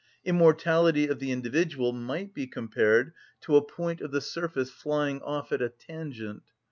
Immortality of the individual might be compared to a point of the surface flying off at a tangent.